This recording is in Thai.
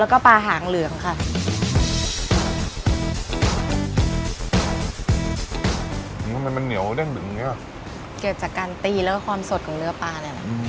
เกี่ยวจากการตีแล้วก็ความสดของเนื้อปลาเนี่ยนะ